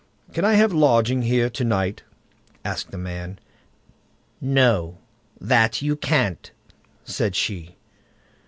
"Can I have lodging here to night?" asked the man. "No! that you can't", said she.